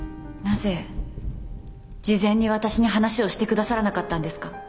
なぜ事前に私に話をしてくださらなかったんですか？